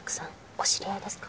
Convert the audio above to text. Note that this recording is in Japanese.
お知り合いですか？